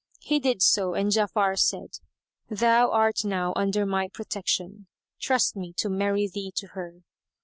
He did so and Ja'afar said, "Thou art now under my protection: trust me to marry thee to her."